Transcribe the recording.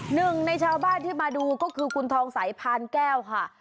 หนึ่งในชาวบ้านที่มาดูก็คือคุณทองใสพานแก้วค่ะ